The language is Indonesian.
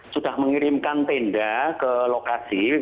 sudah mengirimkan tenda ke lokasi